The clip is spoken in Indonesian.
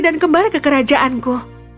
dan kembali ke kerajaanku